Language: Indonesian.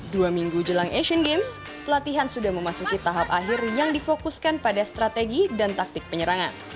dua minggu jelang asian games pelatihan sudah memasuki tahap akhir yang difokuskan pada strategi dan taktik penyerangan